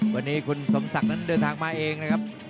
วันนี้คุณสมศักดิ์นั้นเดินทางมาเองนะครับ